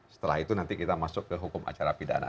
setelah itu nanti kita masuk ke hukum acara pidana